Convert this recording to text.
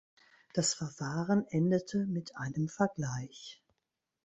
Das Verfahren endete mit einem Vergleich.